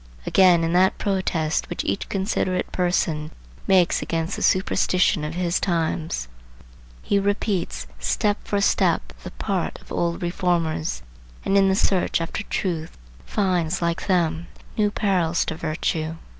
Again, in that protest which each considerate person makes against the superstition of his times, he repeats step for step the part of old reformers, and in the search after truth finds, like them, new perils to virtue.